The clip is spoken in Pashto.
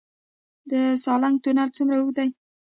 سالنګ تونل څومره اوږد دی؟